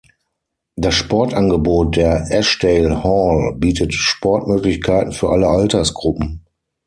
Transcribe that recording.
Das Sportangebot der Ashdale Hall bietet Sportmöglichkeiten für alle Altersgruppen.